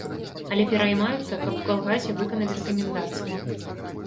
Але пераймаюцца, каб у калгасе выканалі рэкамендацыі.